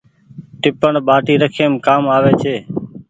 ٽيپڻ ٻآٽي رکيم ڪآ ڪآم آوي ڇي۔